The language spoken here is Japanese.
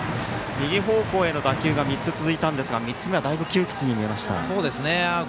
右方向への打球が３つ続いたんですが３つ目はだいぶ窮屈に見えました。